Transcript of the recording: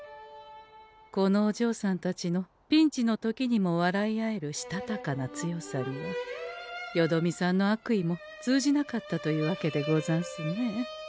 このおじょうさんたちのピンチの時にも笑い合えるしたたかな強さにはよどみさんの悪意も通じなかったというわけでござんすね。